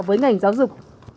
với ngành giáo dục